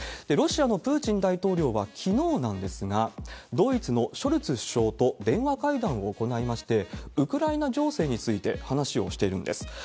ロシアのプーチン大統領はきのうなんですが、ドイツのショルツ首相と電話会談を行いまして、ウクライナ情勢について話をしているんです。